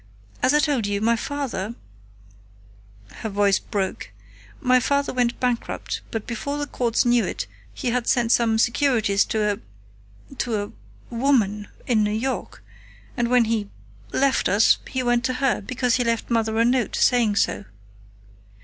As I told you, my father" her voice broke "my father went bankrupt, but before the courts knew it he had sent some securities to a to a woman in New York, and when he left us, he went to her, because he left Mother a note saying so.